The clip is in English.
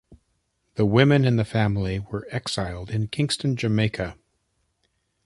The women in the family were exiled in Kingston, Jamaica.